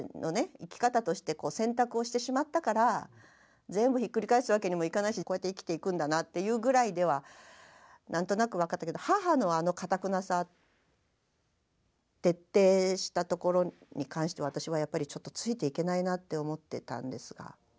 生き方としてこう選択をしてしまったから全部ひっくり返すわけにもいかないしこうやって生きていくんだなっていうぐらいでは何となく分かったけど母のあのかたくなさ徹底したところに関して私はやっぱりちょっとついていけないなって思ってたんですが。